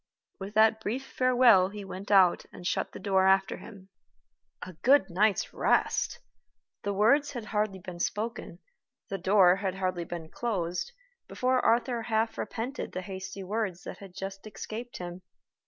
With that brief farewell he went out and shut the door after him. A good night's rest! The words had hardly been spoken, the door had hardly been closed, before Arthur half repented the hasty words that had just escaped him.